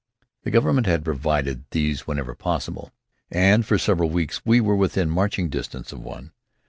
The Government had provided these whenever possible, and for several weeks we were within marching distance of one.